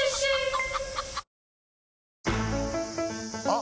あ！